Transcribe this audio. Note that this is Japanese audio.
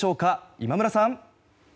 今村さん。